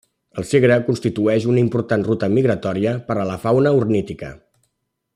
El Segre constitueix una important ruta migratòria per a la fauna ornítica.